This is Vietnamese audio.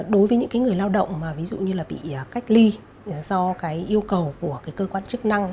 đối với những người lao động mà ví dụ như là bị cách ly do yêu cầu của cơ quan chức năng